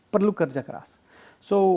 perlu kerja keras